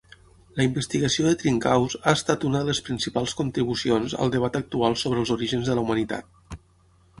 La investigació de Trinkaus ha estat una de les principals contribucions al debat actual sobre els orígens de la humanitat.